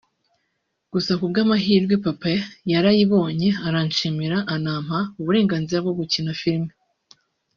Gusa ku bw’amahirwe Papa yarayibonye aranshimira anampa uburenganzira bwo gukina filime